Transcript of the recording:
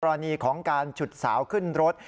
รณีของการฉุดสาวขึ้นรถ